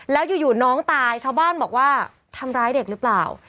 แล้วอยู่น้องตายชาวบ้านบอกว่าทำร้ายเด็กหรือเปล่า